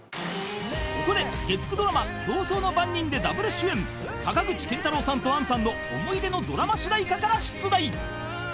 ［ここで月９ドラマ『競争の番人』でダブル主演坂口健太郎さんと杏さんの思い出のドラマ主題歌から出題］